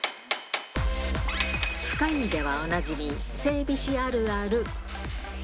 深イイではおなじみ、整備士あるある。